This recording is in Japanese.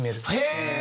へえ！